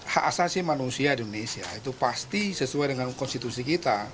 hak asasi manusia di indonesia itu pasti sesuai dengan konstitusi kita